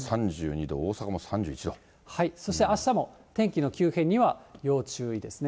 そしてあしたも、天気の急変には要注意ですね。